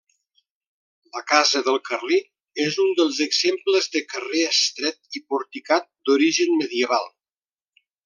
La casa del Carlí és un dels exemples de carrer estret i porticat d'origen medieval.